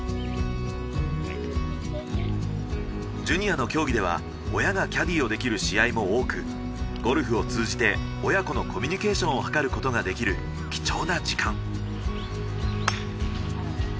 ジュニアの競技では親がキャディーをできる試合も多くゴルフを通じて親子のコミュニケーションをはかることができる貴重な時間。